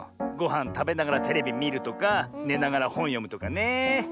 ごはんたべながらテレビみるとかねながらほんよむとかねえ。